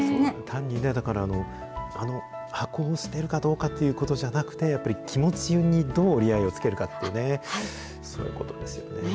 単にね、だからね、あの箱を捨てるかどうかっていうことじゃなくて、やっぱり気持ちにどう折り合いをつけるかってね、そういうことですよね。